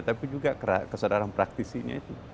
tapi juga kesadaran praktisinya